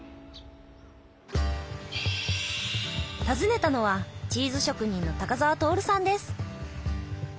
訪ねたのはチーズ職人の高沢徹さんです。